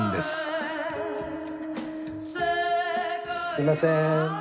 すいません。